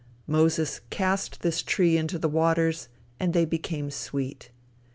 Moses cast this tree into the waters, and they became sweet.